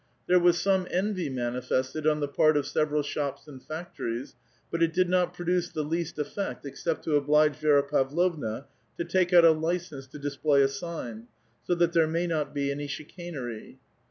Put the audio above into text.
There was some envy manifested on the part of several shops and factories, but it did not pi*oduce the least effect except to oblige Vi^ra Pavlovna to take out a license to display a sign, so that there might not be any chicanery.